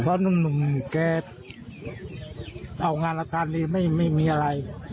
เพราะนุ่มแกเอางานอาการดีไม่มีอะไร